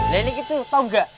lainnya gitu tau gak